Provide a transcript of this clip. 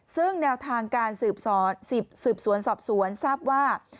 ซึ่งแนวทางการสืบสวนสอบสวนทราบว่า